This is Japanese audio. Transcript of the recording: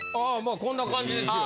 あこんな感じですよ。